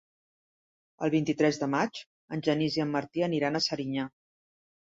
El vint-i-tres de maig en Genís i en Martí aniran a Serinyà.